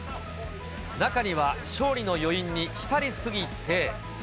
中には勝利の余韻に浸り過ぎ